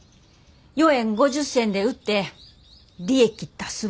４円５０銭で売って利益出すわ。